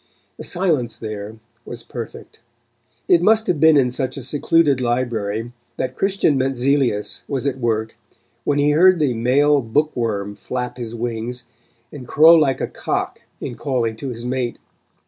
The silence there was perfect. It must have been in such a secluded library that Christian Mentzelius was at work when he heard the male book worm flap his wings, and crow like a cock in calling to his mate.